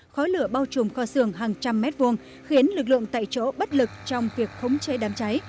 khói lửa bao trùm kho xưởng hàng trăm mét vuông khiến lực lượng tại chỗ bất lực trong việc khống chế đám cháy